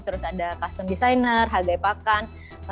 terus ada custom designer hagai pakan